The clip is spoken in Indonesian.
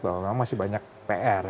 bahwa memang masih banyak pr